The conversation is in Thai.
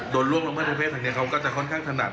โดนร่วงลงพ่อในเพศทางนี้เขาก็จะค่อนข้างถนัด